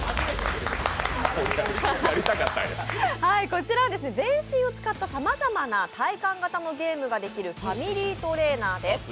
こちらは全身を使ったさまざまな体感型のゲームができるファミリートレーナーです。